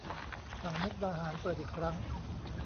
ฝั่งมุกดาหาร เปิดอีกครั้ง